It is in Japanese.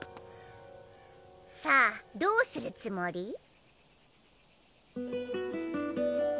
さあどうするつもり？